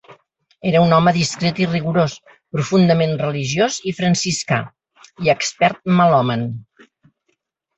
Era un home discret i rigorós, profundament religiós i franciscà i expert melòman.